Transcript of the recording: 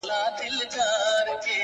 o هر ګستاخ چي په ګستاخ نظر در ګوري,